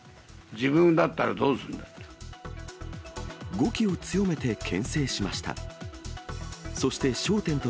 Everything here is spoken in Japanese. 自分だったらどうするんだと。